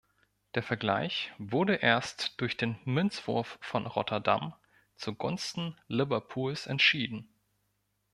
Der Vergleich wurde erst durch den „Münzwurf von Rotterdam“ zugunsten Liverpools entschieden.